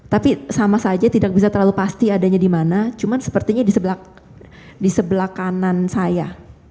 tapi sama saja tidak bisa terlalu pasti adanya dimana cuman sepertinya disebelah kanan saya